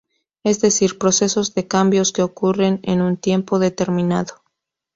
Es decir, procesos de cambios que ocurren en un tiempo determinado.